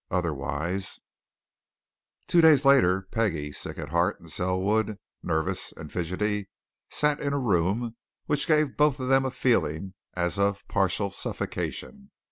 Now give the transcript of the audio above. Otherwise " Two days later Peggie, sick at heart, and Selwood, nervous and fidgety, sat in a room which gave both of them a feeling as of partial suffocation.